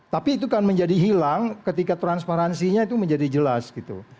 tapi itu kan menjadi hilang ketika transparansinya itu menjadi jelas gitu